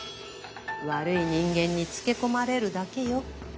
悪い人間につけ込まれるだけよ。